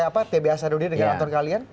pba sarudin dengan atur kalian